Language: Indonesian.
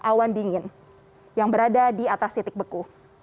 awan dingin yang berada di atas titik beku